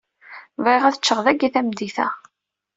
Bɣiɣ ad ččeɣ dagi tameddit-a.